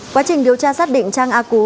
quá trình điều tra xác định trang a cú